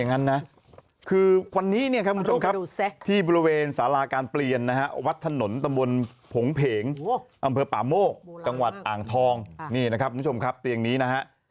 นี่นะครับทุกชมครับเตียงนี้นะฮะ